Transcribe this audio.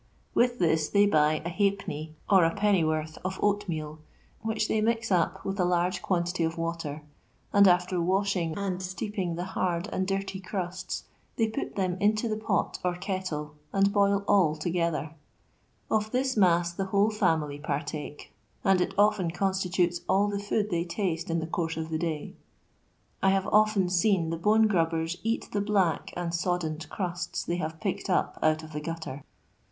With this they buy a hallpenny or a penny No. zzxv. 146 LONDOir LABOUR AND THE LONDON POOR. worth of oatmotl, which they mix up with a Urge quantity of water, and after waahing and iteeping the hard and dirty cnuti, they pat them into the pot or kettle and boil all together. Of thte nuui the whole fiumily partake, and it often conatitatei all the food they taste in the coone of the day. 1 have often leen the bone gmbben eat the black and eoddened cnuts they hare picked up out of the gutter.